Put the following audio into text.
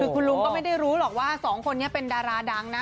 คุณลุงก็ไม่ได้รู้หรอกว่าสองคนนี้เป็นดาราดังนะ